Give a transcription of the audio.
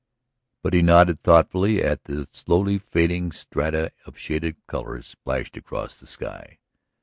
But he nodded thoughtfully at the slowly fading strata of shaded colors splashed across the sky.